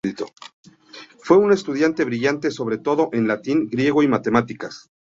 Fue un estudiante brillante, sobre todo en latín, griego y matemáticas.